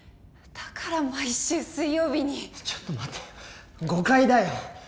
だから毎週水曜日にちょっと待て誤解だよ